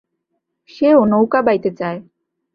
সেও নৌকা বাইতে চায়।